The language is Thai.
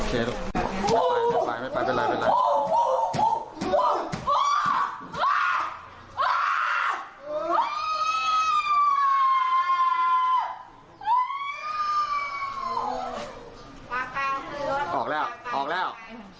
ออกแล้วออกแล้ว